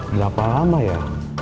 berapa lama ya